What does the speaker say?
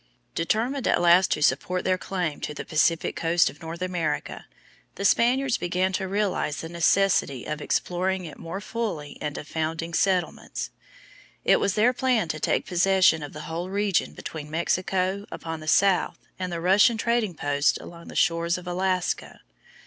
Determined at last to support their claim to the Pacific coast of North America, the Spaniards began to realize the necessity of exploring it more fully and of founding settlements. It was their plan to take possession of the whole region between Mexico upon the south and the Russian trading posts along the shores of Alaska.